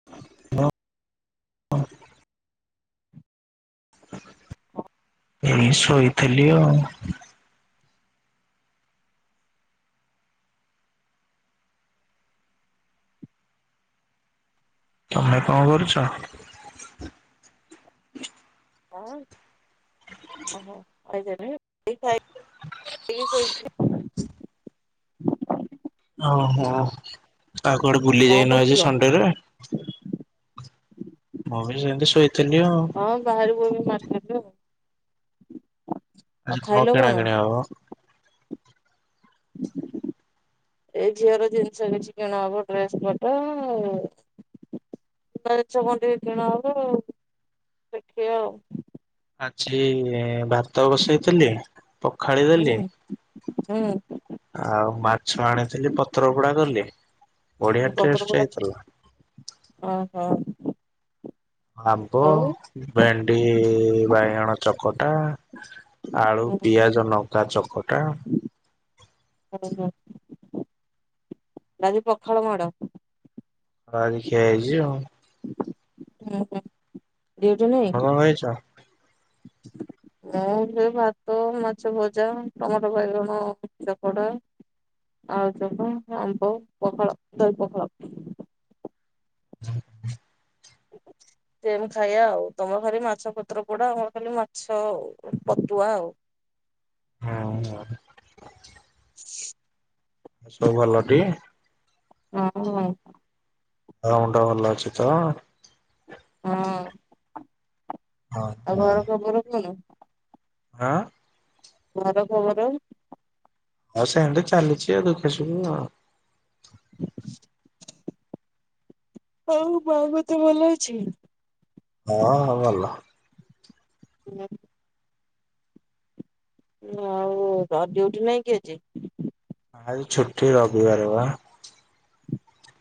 [inaudible] ଏଇ କଣ କରୁଥିଲୁ? ଶୋଇଥେଲି ଆଉ। ତମେ କଣ କରୁଚ? [inaudible] ଓହୋ, ଖାଇସରିଲେଣି? ଓହୋ, ଆଉ କୁଆଡେ ବୁଲି କଣ ଯାଇନ ଆଜି କରୁଥିଲ? ସଣ୍ଡେରେ? ମୁଁ ବି ସେମ୍ତି ଶୋଇଥିଲି ଆଉ। ବାହାରକୁ ଏବେ ମାର୍କେଟ୍ ଆଉ। ଆଉ ଆଜି କଣ ଖାଇଲ କିଣା କିଣି ହବ? [inaudible] ଏଇ ଝିଅର ଜିନିଷ କିଛି କିଣାହବ ଡ୍ରେସ୍ ପଟା ଆଉ [unintelligible] ଜିନିଷ କଣ ଟିକେ କିଣା ହବ ଆଉ, ଦେଖିଆ ଆଉ। ଆଜି ଭାତ ବସେଇଥିଲି ପଖାଳି ଦେଲି ହୁଁ-ହୁଁ। ଆଉ ମାଛ ଆଣିଥିଲି ପତ୍ର ପୋଡା କଲି। ବଢିଆ ପତ୍ର ଟେଷ୍ଟ ପୋଡ଼ା, ହେଇଥିଲା ଓହୋ। ଆମ୍ବ, ଆଉ ଭେଣ୍ଡି ବାଇଗଣ ଚକଟା ଆଳୁ ପିଆଜ ଲଙ୍କା ଚକଟା। ଓହୋ, ଆଜି ପଖାଳ ମାଡ। ହଁ ଅଜି ଖିଆ ହେଇଚି ଆଉ। ହୁଁ, ଡିଉଟି ତମେ ନାହିଁ? କଣ ଖାଇଛ? ମୁଁ ସେଇ ଭାତ, ମାଛ ଭଜା, ଟମାଟୋ ବାଇଗଣ ଚକଟା ଆଉ ସବୁ ଆମ୍ବ, ପଖାଳ, ଦହି ପଖାଳ। [inaudible] ସେମ ଖାଇବା ଆଉ ତମର ଖାଲି ମାଛ ପତ୍ର ପୋଡା ଆମର ଖାଲି ମାଛ ପଟୁଆ ଆଉ। ହୁଁ। [inaudible] ସବୁ ଭଲଟି? ହଁ। ଦେହ ମୁଁଣ୍ଡ ଭଲ ଅଛି ତ? ହଁ। ହଁ ଆଉ ଘର ଖବର କଣ? ଆଁ। ଘର ଖବର? ଆଉ ସେମ୍ତି ଚାଲିଛି ଆଉ ଦୁଃଖ ସୁଖ କଣ? ଆଉ ମାଙ୍କ ଦେହ ଭଲ ଅଛି? ହଁ ହଁ ଭଲ। [inaudible] ଆଉ କାର ଡିୟୁଟି ନାଇଁ କି ଆଜି? ଆଜି ଛୁଟି ରବିବାର ବା।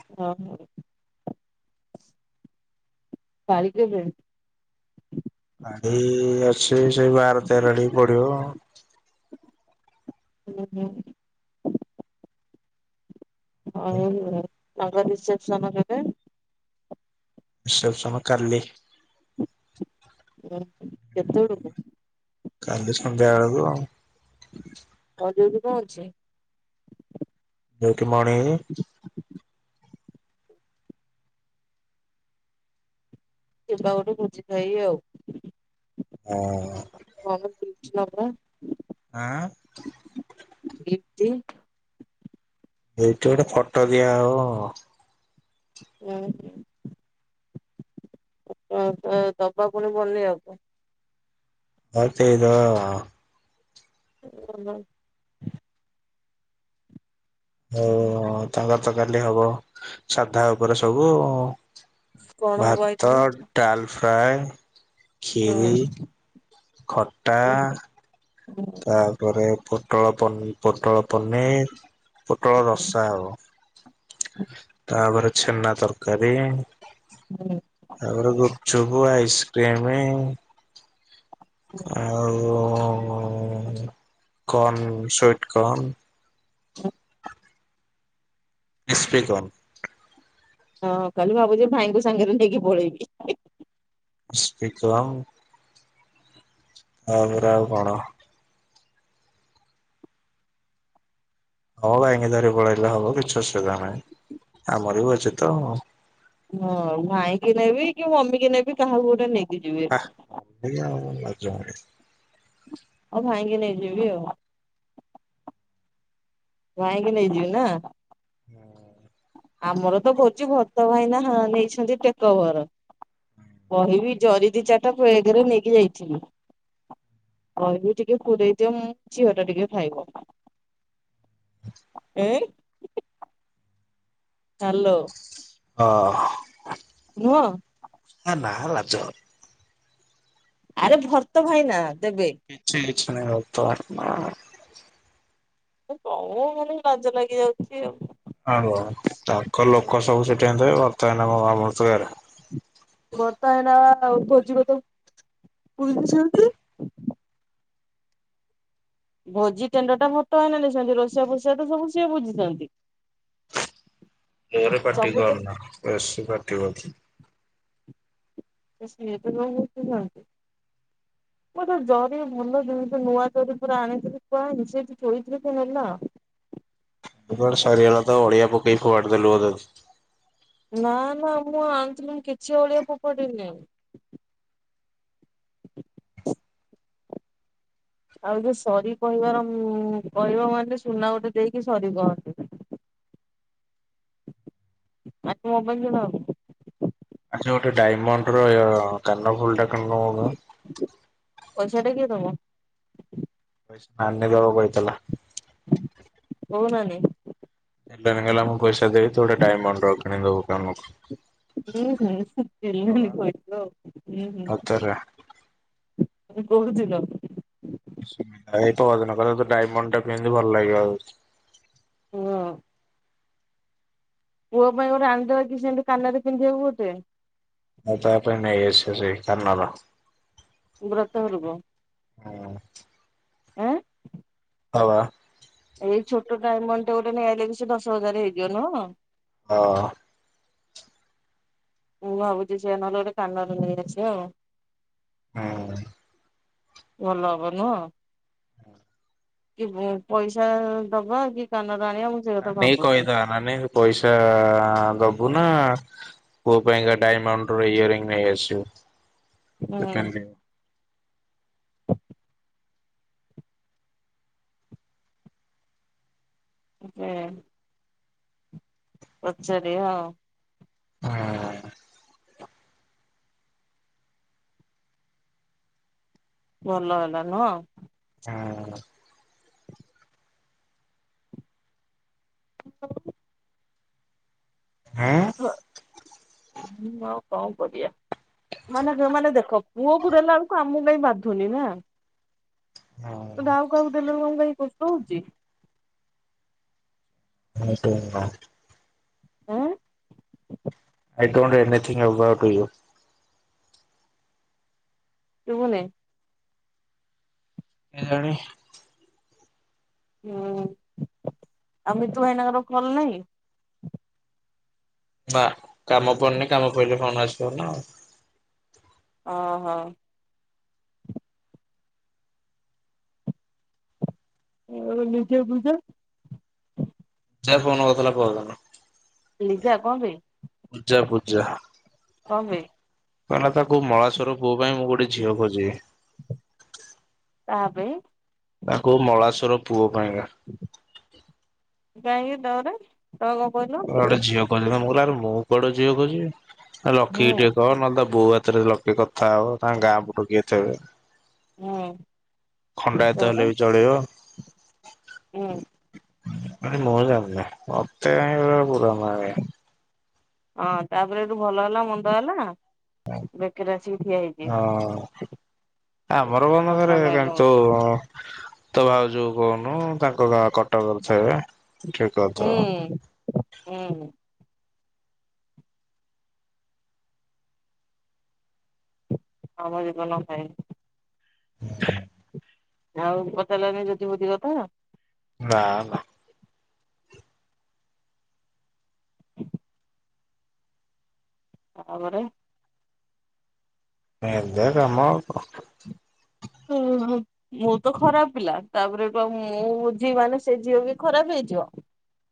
[inaudible] ପାଳି କେବେ? ପାଢି ଅଛି ସେଇ ବାର, ତେର ଆଡକୁ ପଡିବ କଣ? ହୁଁ ହଁ। ଆଉ ତାଙ୍କ ରିସେପ୍ସନ କେବେ? ରିସେପ୍ସନ କାଲି। ଉଁ। କେତବେଳକୁ କାଲି ସନ୍ଧ୍ୟା ବେଳକୁ। ଆଜି ବି କଣ ଅଛି? ଯୋଉଠି ମଣି [inaudible] ଯିବା ଗୋଟେ ଭୋଜି ଖାଇ ଆଉ। ହଁ। ଆଁ। [unintelligible] ଏଇଠି ଗୋଟେ ଫଟୋ ଦିଆ ହବ। ଓ ହୋ ଫଟୋ ପୁଣି ଦବ ବାନେଇଆକୁ। ହଉ ଦେଇ ଦବା। [inaudible] ଓ ତାଙ୍କର ତ କାଲି ହବ ସାଧା ଉପରେ ସବୁ। କଣ ହବ ଭାତ, ଆଇଟମ? ଡାଲ୍ଫ୍ରାଏ। ହୁଁ। ଖଟା। ତା ପରେ ପୋଟଳ ପନି ପୋଟଳ ପନିର୍। ପୋଟଳ ରସା ହବ। ତା ପରେ ଛେନା ତରକାରୀ। ତା ପରେ ଗୁପଚୁପ୍, ଆଇସ୍କ୍ରିମି। ଆଉ କର୍ଣ୍ଣ-ସୁଇଟ୍ କନ୍‌। [inaudible] ଇସ୍ପେକନ୍ ହଁ କାଲି ଭାବୁଛି ଭାଇଙ୍କୁ ସାଙ୍ଗରେ ନେଇକି ପଳେଇବି। [unintelligible] ତାପରେ ଆଉ କଣ? ହଁ ଭାଇଙ୍ଗି ଧରି ପଳେଇଲେ ହବ କିଛି ଅସୁବିଧା ନାହିଁ ଆମର ବି ଅଛି ତ ଆଉ। ହଁ ଭାଇ କି ନେବି କି ମମି କି ନେବି କାହାକୁ ଗୋଟେ ନେଇ ଆ ସେଇଆ ଲାଜ ମାଡେ। ଆଉ ଭାଇଙ୍କି ନେଇଯିବି ଆଉ। ଭାଇଙ୍କି ନେଇଯିବି ନା। [inaudible] ଆମର ତ ଭୋଜି ଭରତ ଭାଇନା ନେଇଛନ୍ତି ଟେକଓଭର। କହିବି ଜରି ଦି ଚାରିଟା ବେଗରେ ପୁରେଇ କି ନେଇକି ଯାଇଥିବି। କହିବି ଟିକେ ପୁରେଇ ଦିଅ ମୁଁ ଝିଅ ଟା ଟିକେ ଖାଇବ। [inaudible] ଏଇ। ହାଲୋ। ହଁ। ନୁହଁ। ଏ ନାଁ ଲାଜ ଆରେ ଭର୍ତ ଭାଇନା ଦେବେ। କିଛି କିଛି ନାହିଁ [unintelligible] ତମକୁ ଖାଲି ଲାଜ ଲାଗିଯାଉଛି ଆଉ। ହଉ ତାଙ୍କ ଲୋକ ସବୁ ସେଠି ଥିବେ ଭର୍ତ ଭାଇନା [unintelligible] ଭର୍ତ ଭାଇନା ପା ଭୋଜି କଥା ବୁଝୁଛନ୍ତି। ଭୋଜି ଟେଣ୍ଡର ଟା ଭର୍ତଭାଇନା ନେଇଛନ୍ତି ରୋଷେଇୟା ଫୋଷେଇଆ ତ ସବୁ ସିଏ ବୁଝିଛନ୍ତି। ଜୋରେ ପାଟି ସବୁ ତ କରେନା ବେଶି ପାଟି କରୁଛି। ସିଏ ତ [unintelligible] ମୁଁ ତ ଜରି ଭଲ ଜିନିଷ ନୂଆ ଜରି ପୁରା ଆଣିଥିଲି କୁଆଁଇ ସେଠି ଥୋଇଥିଲି କିଏ ନେଲା। [unintelligible] ଅଳିଆ ପକେଇକି ଫୋପାଡ଼ିଦେଲୁ ବୋଧେ। ନାଁ ନାଁ ମୁଁ ଆଣିଥିଲି କିଛି ଅଳିଆ ପୋପାଡ଼ିନି। [inaudible] ଆଉ ଯୋଉ ସରି କହିବାର କହିବ ମାନେ ସୁନା ଗୋଟେ ଦେଇକି ସରି କୁହନ୍ତି। [unintelligible] ଆଜି ଗୋଟେ ଡାଇମଣ୍ଡର କାନଫୁଲଟା କିଣୁନୁ ମୋ ପାଇଁ। ପଇସା ଟା କିଏ ଦବ। ପଇସା ନାନି ଦବ କହିଥିଲା। କୋଉ ନାନୀ? [unintelligible] ହେଲା ମୁଁ ପଇସା ଦେବି ତୁ ଗୋଟେ ଡାଇମଣ୍ଡ ର କିଣି ଦବୁ କାଣକୁ। ହୁଁ ହୁଁ ହୁଁ ହେଲାନି ପଇସା ଆଉ। ସତରେ କୋଉ ଦିନ? ଏଇ ପହରଦିନ ପରା ଡାଇମଣ୍ଡ ଟା ପିନ୍ଧି ଭଲ ଲାଗିବ ଆହୁରି। ହଁ। ପୁଅ ପାଇଁ ଗୋଟେ ଆଣି ଦବା କିି ସେମିତି କାନରେ ପିନ୍ଧିବାକୁ ଗୋଟେ। ଆଉ ତା ପାଇଁ ନେଇ ଆସିଲି ସେ କାନର। ବ୍ରତ ଘରକୁ। ହଁ। ଆଁ ହବା। ଏଇ ଛୋଟ ଡାଇମଣ୍ଡ ଟେ ଗୋଟେ ନେଇ ଆଇଲେଗି ସେ ଦଶ ହଜାର ହେଇଯିବ ନୁଁହ। ହଁ। ମୁଁ ଭାବୁଛି ସେ ନହେଲେ ଗୋଟେ କାନରୁ ନେଇ ଆସ ଆଉ। ହୁଁ। ଭଲ ହବ ନୁହଁ। କି ପଇସା ଦବା କି କାନରେ ଆଣିବା ମୁ। ନାନୀ କୁ କହିଦେବା ନାନି କୁ ପଇସା ଦବୁ ନା। ପୁଅ ପାଇଁ କା ଡାଇମଣ୍ଡ ର ଇୟରିଙ୍ଗ ନେଇ ଆସିବୁ ହୁଁ। ସେ। ହୁଁ। ପଚାରିବା ଆଉ। ହଁ। ଭଲ ହେଲା ନୁହଁ। ହଁ। ହ୍ୟାଲୋ। [inaudible] ଆଇ ହ ଆଁ କଣ କରିବା। ମାନେ ମାନେ ଦେଖ ପୁଅ କୁ ଦେଲା ବେଳକୁ କାମ କାଇ ବାଧୁନି ନା। ହଁ। ତ ଆଉ କାହାକୁ ଦେଲା ବେଳକୁ କଷ୍ଟ ହଉଛି। ହଁ ସେ ହଁ। ଆ। I don't anythings about you. ଶୁବୁନି। କେଜାଣି। ହୁଁ ଆମେ ତ ଇଏନା ର ଭଲ ନାହିଁ। ବା କାମ ପଡ଼ନି କାମ ପିଡିଲେ ଫନ ଆସିବ ନା ଆଉ। ଓଁ ହଁ। ହଉ ନିଜେ ବୁଝ। ସେ ଫୋନ କରିଥିଲା ପହରଦିନ। ଲିଜା କଣ ପାଇଁ। ପୂଜା ପୂଜା। କଣ ପାଇଁ। କହେ ନା ତାକୁ ମହେଶ୍ୱର ପୁଅ ପାଇଁ ମୁଁ ଗୋଟେ ଝିଅ ଖୋଜିବି। କାହା ପାଇଁ? ତାକୁ ମଳାଶୁର ପୁଅ ପାଇଁକା। କାଇଁକି ତମର ତ କଣ କହିଲ? କୁଆଡେ ଝିଅ କହିଲ ମୋର ଆ ମୋ ଆହୁରି କୁଆଡେ ଝିଅ କହୁଛି। ହୁଁ ଲକିକି ଟିକେ କହ ନହଲେ ବୋଉ ହାତରେ ଲକି କଥା ହବ ତାଙ୍କ ଗାଁ ପୁଟୁ କିଏଥିବେ। ହୁଁ ଖଣ୍ଡାୟତ ତାପରେ ହେଲେ ବି ଚଳିବ। ହୁଁ ମୁଁ ଜାଣିନି ମତେ ପୁରାନି। ହଁ ତାପରେ ଏଠୁ ଭଲ ହେଲା ମନ୍ଦ ହେଲା। ହଁ ବେକରେ ଆସିକି ଠିଆ ହେଇଛି ଅଁ। ଆମର [unintelligible] ଘରେ ଟଙ୍କା ନାଇଁଲୋ କିନ୍ତୁ- ତ ଭାଉଜଙ୍କୁ କହୁନୁ ତାଙ୍କ ଗାଁ କଟକରେ ଥିବେ ଠିକ କରିଦେବେ। ହୁଁ ହୁଁ। ଆମ ଜୀବନ ପାଇଁ। [unintelligible] ଆଉ ପଚାରିଲାନି ଜ୍ୟୋତି ମୋତି କଥା? ନାଁ ନାଁ। [inaudible] ତମ ଘରେ - ଏମିତିଆ କାମ ଆଉ କଣ। ହୁଁ ହୁଁ। ମୁଁ ତ ଖରାପ ପିଲା। ତାପରେ କଣ ମୁଁ ବୁଝିବି ମାନେ ସେ ଝିଅ ବି ଖରାପ ହେଇଯିବ।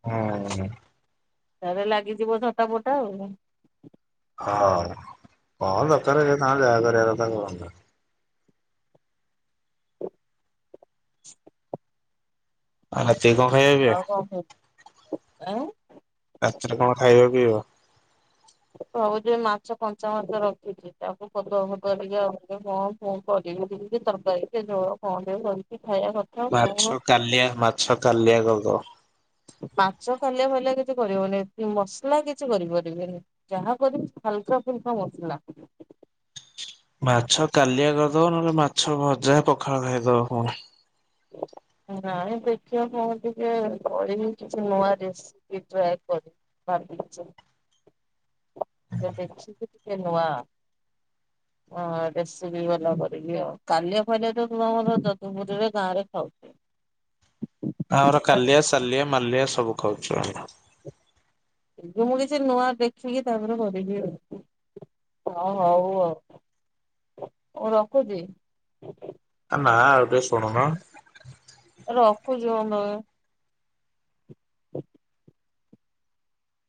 ହୁଁ ହୁଁ। ତାପରେ ଲାଗିଯିବ ଝଟାପଟା ଆଉ। ହଁ ଅଁ କଣ ଦରକାର ସେ ତାଙ୍କର ଯାହା କରିବା କଥା କରନ୍ତୁ। [inaudible] ଆଜି କଣ? ଖାଇବା ପିଇବା? ଆଉ କଣ କହୁଚୁ? ଏଁ। ରାତିରେ କଣ ଖାଇବ ପିଇବ? ଭାବୁଛି ମାଛ କଞ୍ଚା ମାଛ ରଖିଛି ତାକୁ ପତୁଆ ଫତୁଆ ଟିକେ କରିକି କଣ- କଣ କରିବି [unintelligible] ତରକାରୀ ସେ ଝୋଳ କଣ ଟିକେ କରିକି ଖାଇବା କ- ମାଛ କାଲିଆ ମାଛ କାଲିଆ କରିଦବ। ମାଛ କାଲିଆ ଫାଲିଆ କିଛି କରି ହବନି। ମସଲା କିଛି କରିପାରିବିନି। ଯାହା କରିବି ହାଲକା ଫୁଲକା ମସଲା। ମାଛ କାଲିଆ କରିଦବ ନହେଲେ ମାଛ ଭଜା ପଖାଳ ଖାଇଦବ କଣ। ନାଇଁ ଦେଖିବା କଣ ଟିକେ କରିବି କିଛି ନୂଆ ରେସି ପି ଟ୍ରାଏ କରିବି ଭାବିଚି। ଆଗ ଦେଖିବି ଟିକେ ନୂଆ [inaudible] ହଁ ରେସିପି ବାଲା କରିବି ଆଉ କାଲିଆ ଫାଲିଆ ତ ତୁମର ଯଦୁପୁରୀରେ ଗାଁ ରେ ଖାଉଚୁ। ଆମର କାଲିଆ, ସାଲିଆ, ମାଲିଆ ସବୁ ଖାଉଛୁ ଆମେ। ମୁଁ କିଛି ନୂଆ ଦେଖିକି ତାପରେ କରିବି ଆଉ। ହଁ ହଉ ଆଉ। ମୁଁ ରଖୁଛି। ନା ଆଉ ଟିକେ ଶୁଣୁନ। ରଖୁଚି ମ ମୁଁ ଏଇ ଲାଗେ।